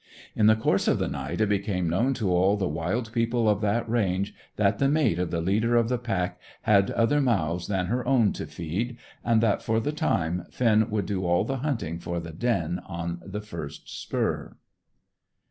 In the course of the night it became known to all the wild people of that range that the mate of the leader of the pack had other mouths than her own to feed, and that for the time Finn would do all the hunting for the den on the first spur.